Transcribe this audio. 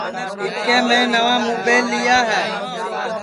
اِٻکے میں نئوا مُبیل لیا ہے